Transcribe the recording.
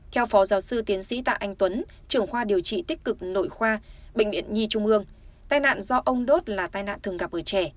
theo phó giáo sư tiến sĩ tạ anh tuấn trưởng khoa điều trị tích cực nội khoa bệnh viện nhi trung ương tai nạn do ông đốt là tai nạn thường gặp ở trẻ